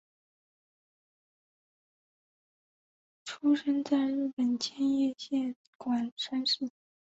出生在日本千叶县馆山市。